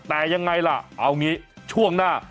แต่ยังไงล่ะเอางี้ช่วงหน้า